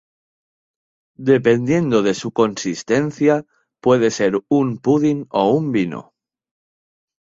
Dependiendo de su consistencia, puede ser un pudín o un vino.